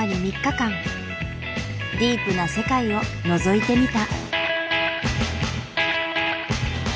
ディープな世界をのぞいてみた。